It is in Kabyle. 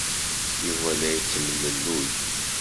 Yuba la yettemlelluy.